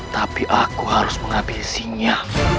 tapi aku harus menghabisinya